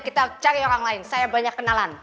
kita cari orang lain saya banyak kenalan